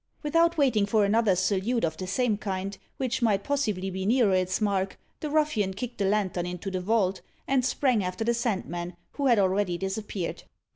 Without waiting for another salute of the same kind, which might possibly be nearer its mark, the ruffian kicked the lantern into the vault, and sprang after the Sandman, who had already disappeared.